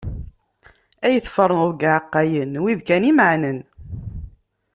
Ay teferneḍ deg yiɛeqqayen, wid kan imaɛnen.